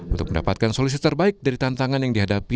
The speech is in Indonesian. untuk mendapatkan solusi terbaik dari tantangan yang dihadapi